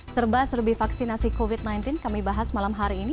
serba serbi vaksinasi covid sembilan belas kami bahas malam hari ini